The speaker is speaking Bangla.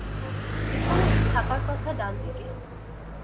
এখানেই থাকার কথা ডানদিকে।